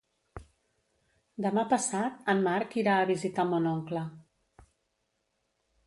Demà passat en Marc irà a visitar mon oncle.